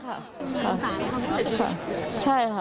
สงสารค่ะใช่ค่ะใช่ค่ะ